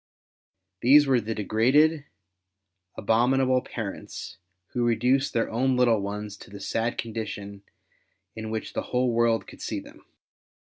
These were the degraded, abominable parents Avho reduced their own little ones to the sad condition in which the Avhole world could see them.